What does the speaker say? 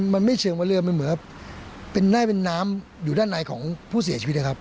มันไม่เชิงว่าเรือมันเหมือนกับเป็นหน้าเป็นน้ำอยู่ด้านในของผู้เสียชีวิตนะครับ